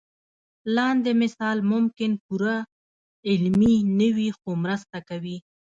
لاندې مثال ممکن پوره علمي نه وي خو مرسته کوي.